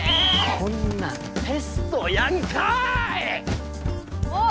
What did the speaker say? こんなんテストやんかい！